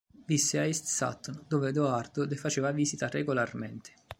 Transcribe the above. Visse a East Sutton, dove Edoardo le faceva visita regolarmente.